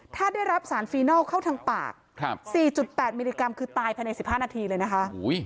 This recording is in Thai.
ถ้าได้รับสารฟีนอลเข้าทางปาก๔๘มิลลิกรัมคือตายภายใน๑๕นาทีเลยนะคะ